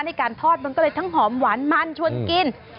ในการทอดมันก็เลยทั้งหอมหวานมันชวนกิน